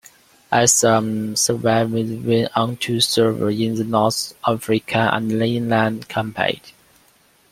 "Anselm"s survivors went on to serve in the North African and Italian campaigns.